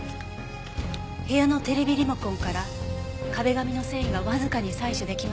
部屋のテレビリモコンから壁紙の繊維がわずかに採取できました。